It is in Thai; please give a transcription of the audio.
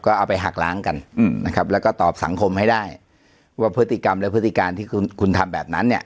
ก็เอาไปหักล้างกันอืมนะครับแล้วก็ตอบสังคมให้ได้ว่าพฤติกรรมและพฤติการที่คุณคุณทำแบบนั้นเนี่ย